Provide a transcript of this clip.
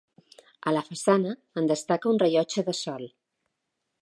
A la façana en destaca un rellotge de sol.